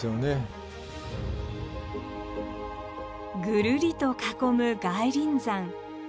ぐるりと囲む外輪山。